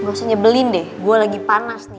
gak usah nyebelin deh gue lagi panas nih